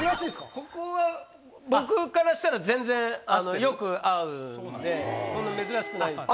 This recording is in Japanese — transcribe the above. ここは僕からしたら全然よく会うんでそんな珍しくないんですけど。